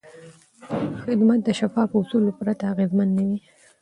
خدمت د شفافو اصولو پرته اغېزمن نه وي.